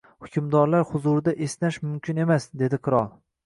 Hukmdorlar huzurida esnash mumkin emas, — dedi qirol.